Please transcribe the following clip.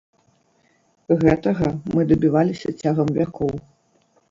Гэтага мы дабіваліся цягам вякоў.